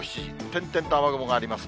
点々と雨雲があります。